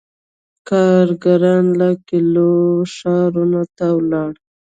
• کارګران له کلیو ښارونو ته ولاړل.